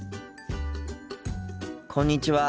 こんにちは。